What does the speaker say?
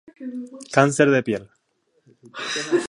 Cáncer de piel